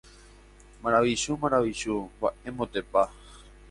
Maravichu, maravichu, mba'émotepa.